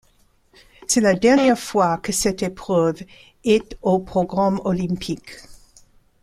C'est la dernière fois que cette épreuve est au programme olympique.